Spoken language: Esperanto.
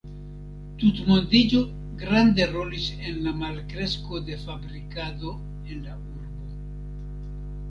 Tutmondiĝo grande rolis en la malkresko de fabrikado en la urbo.